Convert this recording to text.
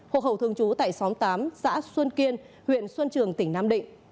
hộ khẩu thường trú tại xóm tám xã xuân kiên huyện xuân trường tỉnh nam định